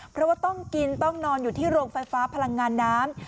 เพราะว่าต้องกินต้องนอนอยู่ที่โรงไฟฟ้าพลังงานน้ำ